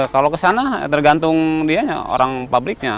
kalau kesana tergantung dia orang pabriknya